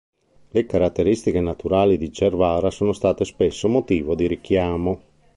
Le caratteristiche naturali di Cervara sono state spesso motivo di richiamo.